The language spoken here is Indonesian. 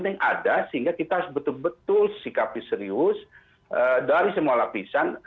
yang ada sehingga kita harus betul betul sikapi serius dari semua lapisan